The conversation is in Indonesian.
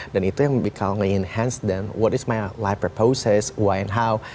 dan itu yang lebih kalau nge enhance dan what is my life purposes why and how